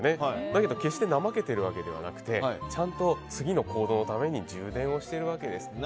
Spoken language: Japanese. だけど決して怠けているわけではなくて次の行動のために充電をしているわけです。